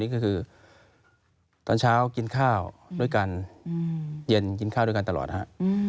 ก็คือตอนเช้ากินข้าวด้วยกันเย็นกินข้าวด้วยกันตลอดฮะ